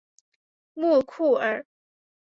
莫库尔。